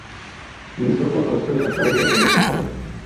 mu isoko abasore atazi bakamusifura